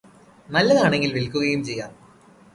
നല്ലതാണെങ്കിൽ വിൽക്കുകയും ചെയ്യാം